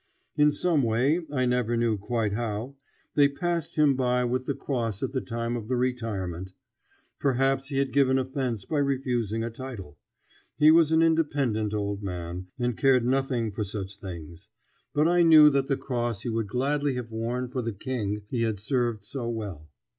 In some way, I never knew quite how, they passed him by with the cross at the time of the retirement. Perhaps he had given offence by refusing a title. He was an independent old man, and cared nothing for such things; but I knew that the cross he would gladly have worn for the King he had served so well.